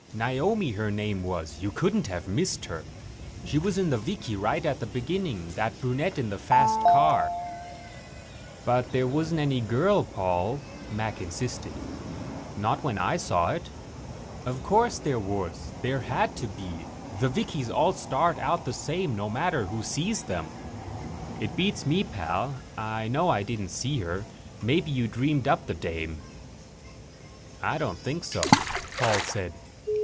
"Naomi, her name was," Paul said. "You couldn't miss her. She was in the vikie right at the beginning that brunette in the fast car." "But there wasn't any girl, Paul," Mac insisted. "Not when I saw it." "Of course there was. There had to be the vikies all start out the same way, no matter who sees them." "It beats me, pal. I know I didn't see her. Maybe you dreamed up the dame." "I don't think so," Paul said.